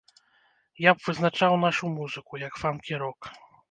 Я б вызначаў нашу музыку, як фанкі-рок.